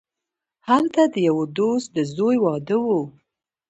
هلته د یوه دوست د زوی واده وو.